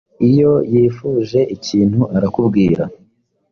iyo yifuje ikintu arakubwira